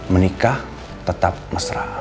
menikah tetap mesra